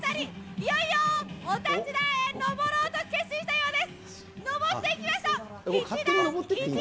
いよいよお立ち台へのぼろうと決心したようです。